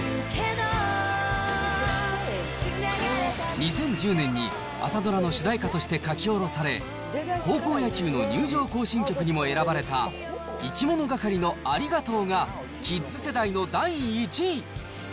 ２０１０年に朝ドラの主題歌として書き下ろされ、高校野球の入場行進曲にも選ばれたいきものがかりのありがとうがキッズ世代の第１位。